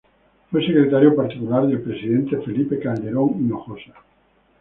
Fue Secretario Particular del Presidente Felipe Calderón Hinojosa.